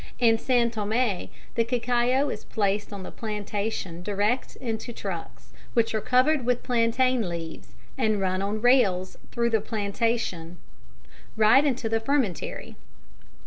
In San Thomé the cacao is placed on the plantation direct into trucks, which are covered with plaintain leaves, and run on rails through the plantation right into the fermentary.